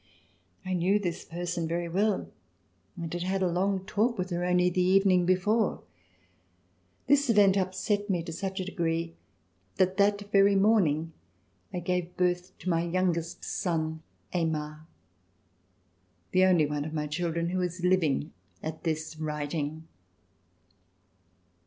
I knew this person very well and had had a long talk with her only the evening before. This event upset me to such a degree that that very morning I gave birth to my youngest son, Aymar, the only one of my children who is living at this writing.